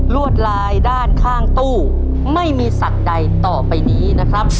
วดลายด้านข้างตู้ไม่มีสัตว์ใดต่อไปนี้นะครับ